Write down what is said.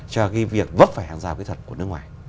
cho cái việc vấp phải hàng rào kỹ thuật của nước ngoài